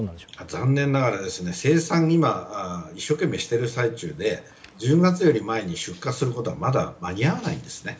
残念ながら生産を今一生懸命している状態で１０月より前に出荷することは間に合わないですね。